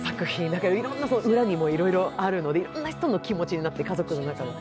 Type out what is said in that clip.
だから、裏にもいろいろあるので、いろんな人の気持ちになって、家族の中の。